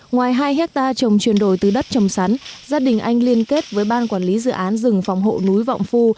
ngoài hai hectare trồng chuyển đổi từ đất trồng sắn gia đình anh liên kết với ban quản lý dự án rừng phòng hộ núi vọng phu